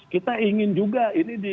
kita ingin juga ini